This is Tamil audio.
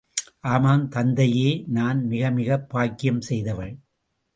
ஆமாம், தந்தையே!... நான் மிகமிகப் பாக்கியம் செய்தவள்!..